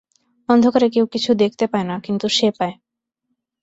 অন্ধকারে কেউ কিছু দেখতে পায় না, কিন্তু সে পায়।